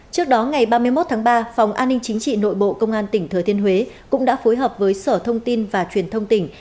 trước đó ngày ba mươi một tháng ba phòng an ninh chính trị nội bộ công an tỉnh thừa thiên huế cũng đã phối hợp với sở thông tin và truyền thông tỉnh